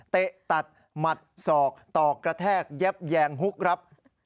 เตะตัดหมัดศอกตอกกระแทกแยบแยงฮุกครับ